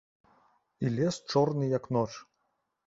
І лес чорны, як ноч.